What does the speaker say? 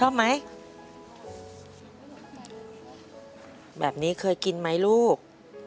แบบนี้เคยกินมั้ยลูก